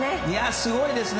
すごいですね。